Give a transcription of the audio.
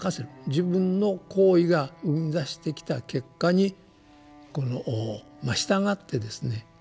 自分の行為が生み出してきた結果にこの従ってですね